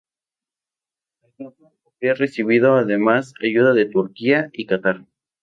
El grupo habría recibido además ayuda de Turquía y Catar.